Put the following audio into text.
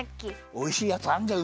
おいしいやつあんじゃん。